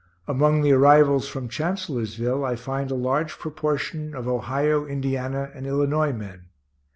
Among the arrivals from Chancellorsville I find a large proportion of Ohio, Indiana, and Illinois men.